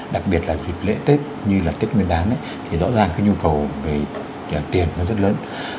đặc biệt là dịp lễ tết như là tết nguyên đán thì rõ ràng cái nhu cầu về tiền nó rất lớn